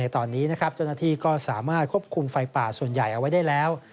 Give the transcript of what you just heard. ตอนนี้นะครับเจ้าหน้าที่ก็สามารถควบคุมไฟป่าส่วนใหญ่เอาไว้ได้แล้ว